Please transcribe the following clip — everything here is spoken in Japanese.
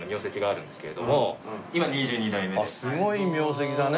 すごい名跡だね！